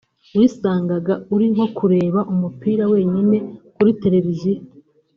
wisangaga uri nko kureba umupira wenyine kuri televiziyo